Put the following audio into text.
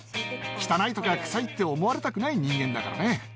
汚いとか臭いって思われたくない人間だからね。